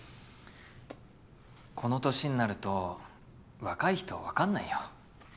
この年になると若い人は分かんないよ。